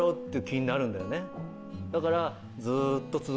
だから。